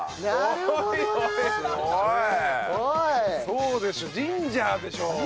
そうでしょう！